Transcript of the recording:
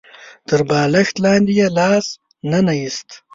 تر بالښت لاندې يې لاس ننه ايست.